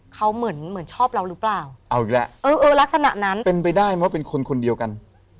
เขาเหมือนเหมือนชอบเราหรือเปล่าเอาอีกแล้วเออเออลักษณะนั้นเป็นไปได้เพราะเป็นคนคนเดียวกัน